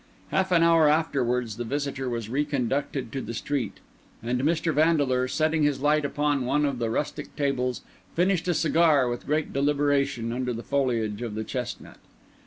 Half an hour afterwards the visitor was reconducted to the street; and Mr. Vandeleur, setting his light upon one of the rustic tables, finished a cigar with great deliberation under the foliage of the chestnut.